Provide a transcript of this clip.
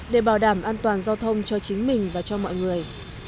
để bảo đảm an toàn giao thông cho chính mình và cho mọi người